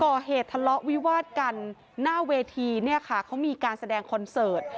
ก่อเหตุทะเลาะวิวาดกันหน้าเวทีเนี่ยค่ะเขามีการแสดงคอนเสิร์ต